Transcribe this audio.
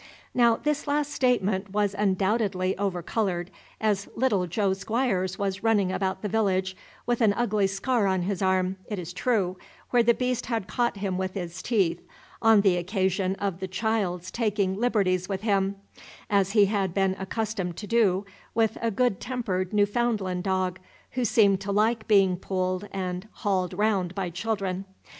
Now this last statement was undoubtedly overcolored; as little Jo Squires was running about the village, with an ugly scar on his arm, it is true, where the beast had caught him with his teeth, on the occasion of the child's taking liberties with him, as he had been accustomed to do with a good tempered Newfoundland dog, who seemed to like being pulled and hauled round by children.